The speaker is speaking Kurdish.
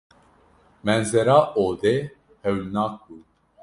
Menzera odê hewilnak bû.